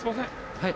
はい。